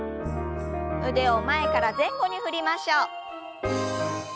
腕を前から前後に振りましょう。